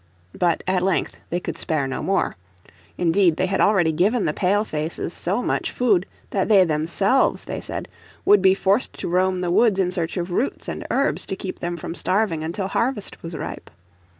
But at length they could spare no more. Indeed they had already given the Pale faces so much food that they themselves, they said, would be forced to roam the woods in search of roots and herbs to keep them from starving until harvest was ripe.